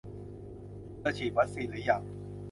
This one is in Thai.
เธอฉีดวัคซีนหรือยัง